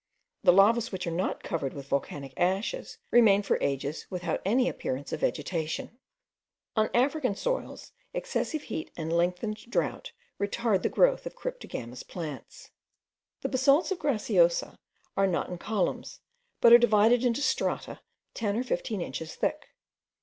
The lavas which are not covered with volcanic ashes remain for ages without any appearance of vegetation. On the African soil excessive heat and lengthened drought retard the growth of cryptogamous plants. The basalts of Graciosa are not in columns, but are divided into strata ten or fifteen inches thick.